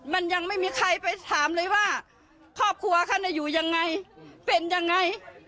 มันยังไม่มีใครไปถามเลยว่าครอบครัวท่านอยู่ยังไงเป็นยังไง